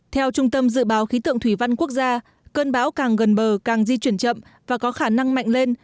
theo trung tâm dự báo khí tượng thủy văn quốc gia cơn bão càng gần bờ càng di chuyển chậm và có khả năng mạnh lên